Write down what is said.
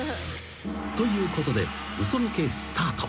［ということで嘘ロケスタート］